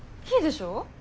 いいでしょ？